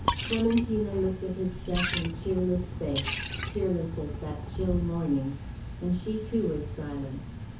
Clementina looked at his set and cheerless face, cheerless as that chill morning, and she too was silent.